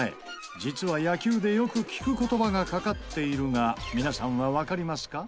実は野球でよく聞く言葉がかかっているが皆さんはわかりますか？